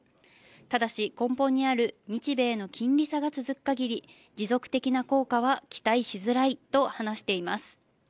ただし、根本にある日米の金利差が続くかぎり、持続的な効果は期待しづらいと話しています。